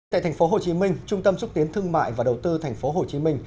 tại thành phố hồ chí minh trung tâm xúc tiến thương mại và đầu tư thành phố hồ chí minh